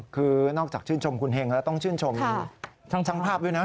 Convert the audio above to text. คือนอกจากชื่นชมคุณเฮงแล้วต้องชื่นชมช่างภาพด้วยนะ